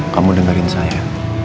kamu dengerin saya